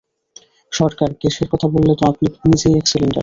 সরকার, গ্যাসের কথা বললে তো আপনি নিজেই এক সিলিন্ডার।